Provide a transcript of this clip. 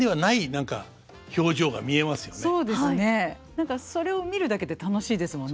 何かそれを見るだけで楽しいですもんね。